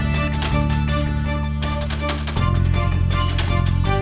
terima kasih pak